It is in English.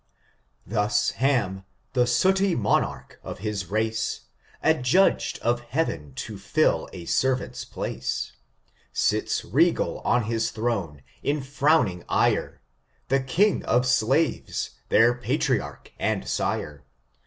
ThUB Hmin, the TOOty monarch of his race, AdjndgM of Heaven to fill a eenrant'e place, Sits re^ on his throne, in frowning ire, The king of slaves, their patriarch and sire.